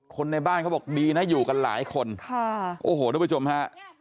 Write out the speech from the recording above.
คนในบ้านเขาบอกดีนะอยู่กันหลายคนค่ะโอ้โหทุกผู้ชมฮะ